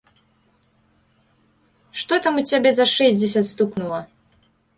Што там у цябе за шэсцьдзесят стукнула?